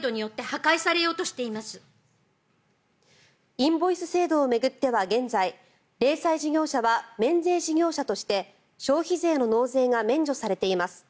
インボイス制度を巡っては現在、零細事業者は免税事業者として消費税の納税が免除されています。